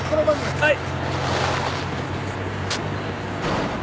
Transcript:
はい。